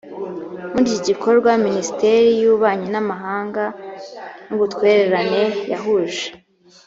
muri iki gikorwa minisiteri y ububanyi n amahanga n ubutwererane yahuje